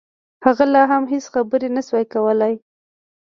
هغه لا هم هېڅ خبرې نشوای کولای